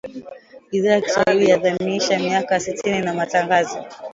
Idhaa ya Kiswahili yaadhimisha miaka sitini ya Matangazo